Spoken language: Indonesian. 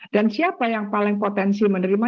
dan siapa yang paling potensi menerima